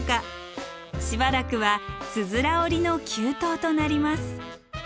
しばらくはつづら折りの急登となります。